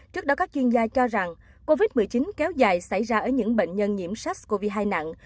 trước đó các chuyên gia cho rằng covid một mươi chín kéo dài xảy ra ở những bệnh nhân nhiễm sars cov hai nặng